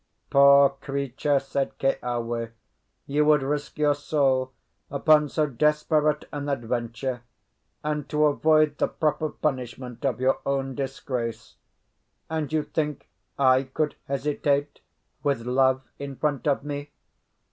"Poor creature," said Keawe, "you would risk your soul upon so desperate an adventure, and to avoid the proper punishment of your own disgrace; and you think I could hesitate with love in front of me.